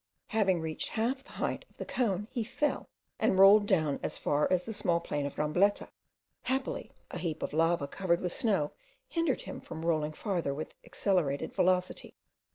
Having reached half the height of the cone, he fell, and rolled down as far as the small plain of Rambleta; happily a heap of lava, covered with snow, hindered him from rolling farther with accelerated velocity.